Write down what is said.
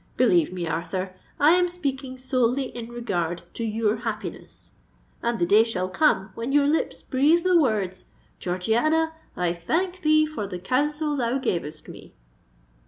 Believe me, Arthur, I am speaking solely in regard to your happiness; and the day shall come when your lips breathe the words, 'Georgiana, I thank thee for the counsel thou gavest me.'"